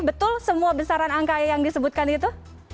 betul semua besaran angka yang disebutkan itu